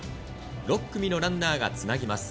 ６組のランナーがつなぎます。